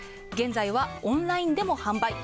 現在はオンラインでも販売。